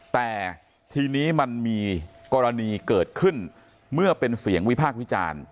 แต่ทีนี้มันมีกรณีเกิดขึ้นเมื่อเป็นเสียงวิพากษ์วิจารณ์